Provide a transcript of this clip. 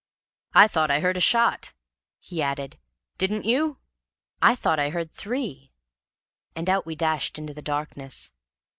"I thought I heard a shot," he added. "Didn't you?" "I thought I heard three." And out we dashed into the darkness.